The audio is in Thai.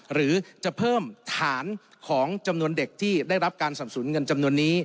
หรือจะเพิ่มฐานของจำนวนเด็กที่ได้รับการสับสนเงินจำนวนนี้